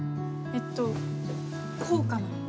えっとこうかな。